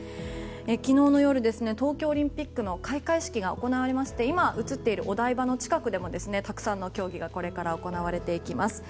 昨日の夜、東京オリンピックの開会式が行われまして今、映っているお台場の近くでもたくさんの競技がこれから行われていきます。